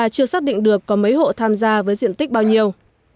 chưa xác định được có mấy hộ tham gia với diện tích bao nhiêu